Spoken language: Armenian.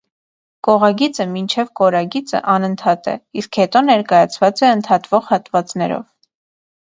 Կողագիծը մինչև կորագիծը անընդհատ է, իսկ հետո ներկայացված է ընդհատվող հատվածներով։